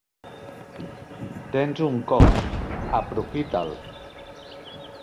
Tens un cos: aprofita'l!